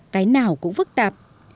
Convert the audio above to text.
cái nào cũng phức tạp